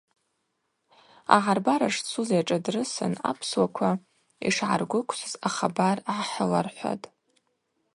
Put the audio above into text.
Агӏарбара шцуз йашӏадрысын апсуаква йшгӏаргвыквсыз ахабар гӏахӏылархӏватӏ.